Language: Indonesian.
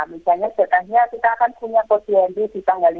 misalnya datangnya kita akan punya posyendi di tanggal lima belas